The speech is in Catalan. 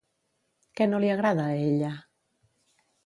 Què no li agrada a ella?